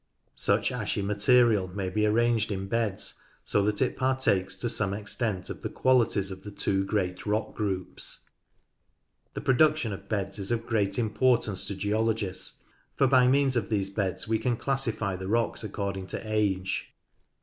Such ashy material may be arranged in beds, so that it partakes to some extent of the qualities of the two great rock groups. The production of beds is of great importance to geologists, for by means of these beds we can classify the rocks according to age.